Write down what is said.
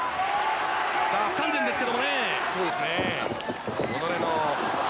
不完全ですけれどもね。